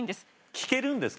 聞けるんですか？